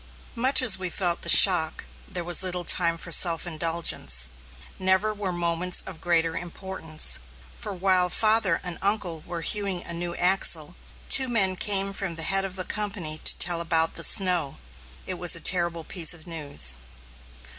Much as we felt the shock, there was little time for self indulgence. Never were moments of greater importance; for while father and uncle were hewing a new axle, two men came from the head of the company to tell about the snow. It was a terrible piece of news!